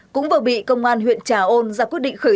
cũng vừa bị công an huyện trà ôn ra quyết định khởi